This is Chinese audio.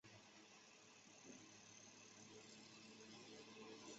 岩生香薷为唇形科香薷属下的一个种。